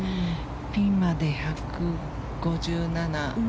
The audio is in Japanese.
ピンまで１５７。